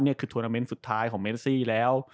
เนี้ยคือทวณเทมสุดท้ายของเมซี่แล้ว